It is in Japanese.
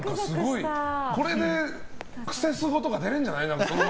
これで「クセスゴ」とか出れるんじゃない？